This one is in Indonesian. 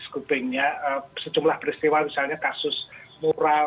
sejumlah peristiwa misalnya kasus moral